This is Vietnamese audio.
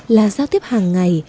là giao tiếp hàng ngày